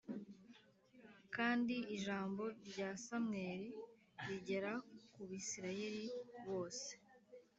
Kandi ijambo rya Samweli rigera ku bisirayeli bose